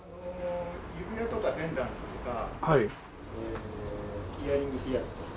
指輪とかペンダントとかイヤリングピアスとか。